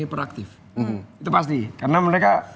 proaktif itu pasti karena mereka